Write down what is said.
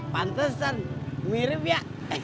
pantesan mirip ya